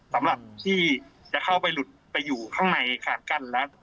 สำหรับที่จะเข้าไปหลุดไปอยู่ข้างในคานกั้นแล้ว